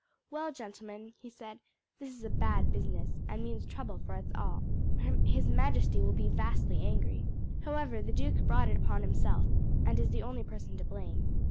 "Well, gentlemen," he said; "this is a bad business, and means trouble for us all. His majesty will be vastly angry. However, the duke brought it upon himself, and is the only person to blame.